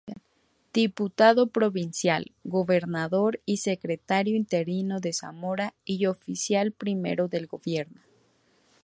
Diputado provincial, Gobernador y Secretario interino de Zamora y Oficial primero del Gobierno.